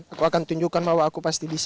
aku akan tunjukkan bahwa aku pasti bisa